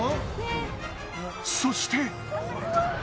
そして。